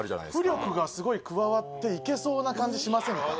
浮力がすごい加わっていけそうな感じしませんか？